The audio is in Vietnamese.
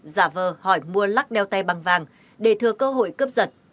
giả vờ hỏi mua lắc đeo tay bằng vàng để thừa cơ hội cướp giật